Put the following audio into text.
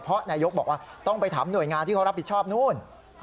เพราะนายกบอกว่าต้องไปถามหน่วยงานที่เขารับผิดชอบนู่น